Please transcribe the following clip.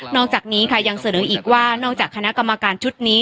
อกจากนี้ค่ะยังเสนออีกว่านอกจากคณะกรรมการชุดนี้